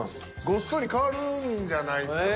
ごっそり替わるんじゃないですか。